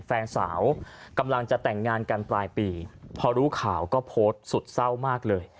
แฟนสาวกำลังจะแต่งงานกันปลายปีพอรู้ข่าวก็โพสต์สุดเศร้ามากเลย